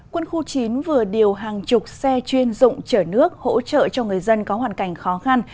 quân khu chín vừa điều hàng chục xe chuyên dụng chở nước hỗ trợ cho người dân có hoàn cảnh khó khăn